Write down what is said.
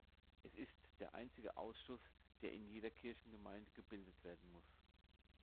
Es ist der einzige Ausschuss, der in jeder Kirchengemeinde gebildet werden muss.